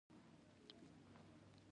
د مېوو وختي راټولول د کیفیت لپاره ګټور دي.